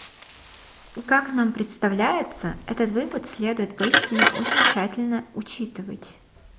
И как нам представляется, этот вывод следует поистине очень тщательно учитывать.